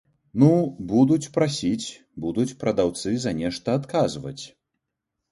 Ну, будуць прасіць, будуць прадаўцы за нешта адказваць.